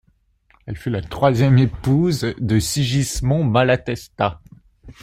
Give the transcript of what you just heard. Elle fut la troisième épouse de Sigismond Malatesta.